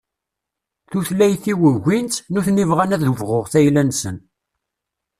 Tutlayt-iw ugin-tt, nutni bɣan ad bɣuɣ tayla-nsen.